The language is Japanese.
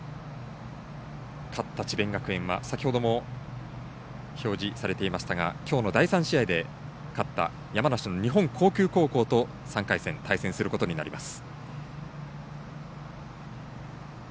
勝った智弁学園は先ほども表示されていましたがきょうの第３試合で勝った山梨の日本航空高校と３回戦、対戦することになります。